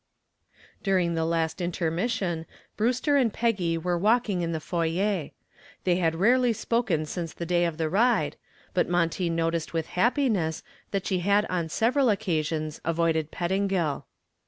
During the last intermission Brewster and Peggy were walking in the foyer. They had rarely spoken since the day of the ride, but Monty noticed with happiness that she had on several occasions avoided Pettingill.